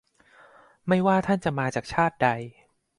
ไม่ว่าท่านจะมาจากชาติใด